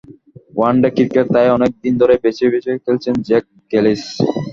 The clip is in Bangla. ওয়ানডে ক্রিকেট তাই অনেক দিন ধরেই বেছে বেছে খেলছেন জ্যাক ক্যালিস।